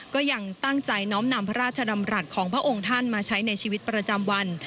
ก็ยังตั้งใจน้อมนำพระราชดำรัฐของพระองค์ท่านมาใช้ในชีวิตประจำวัน